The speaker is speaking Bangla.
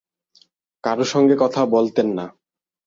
কারও সঙ্গে কথা বলতেন না।